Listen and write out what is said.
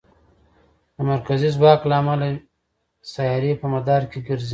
د مرکزي ځواک له امله سیارې په مدار کې ګرځي.